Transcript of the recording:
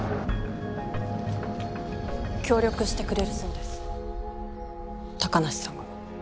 協力してくれるそうです高梨さんが。